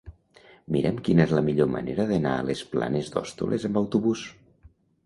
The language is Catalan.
Mira'm quina és la millor manera d'anar a les Planes d'Hostoles amb autobús.